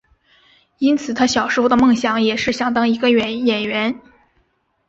因此他小时候的梦想也是想当一个演员。